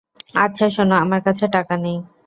আচ্ছা শোন, আমার কাছে টাকা নেই।